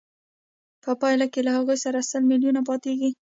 په پایله کې له هغه سره سل میلیونه پاتېږي